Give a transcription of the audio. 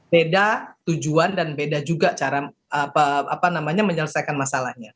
beda tujuan dan beda juga cara menyelesaikan masalahnya